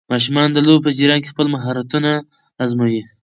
ماشومان د لوبو په جریان کې خپل مهارتونه ازمويي.